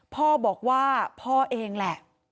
พ่อบอกว่าพ่อเองแหละ